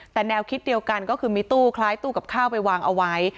แต่แนวคิดเดียวกันก็คือมีตู้คล้ายตู้กับข้าวไปวางเอาไว้